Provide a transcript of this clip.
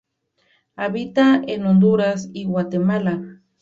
Habita en Honduras y Guatemala.